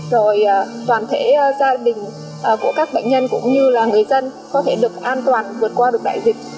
rồi toàn thể gia đình của các bệnh nhân cũng như là người dân có thể được an toàn vượt qua được đại dịch